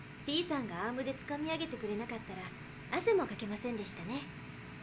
フィーさんがアームでつかみ上げてくれなかったらあせもかけませんでしたね。